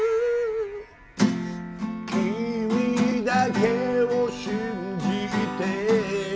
「君だけを信じて」